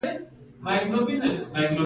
کمیټه له کمیسیون سره څه توپیر لري؟